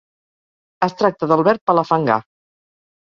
Es tracta del verb palafangar.